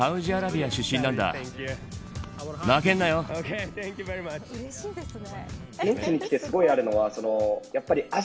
うれしいですね。